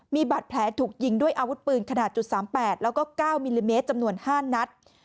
มีบาดแผลถูกยิงด้วยอาวุธปืนขนาด๓๘แล้วก็๙มิลลิเมตรจำนวน๕นัด